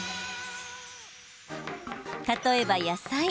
例えば、野菜。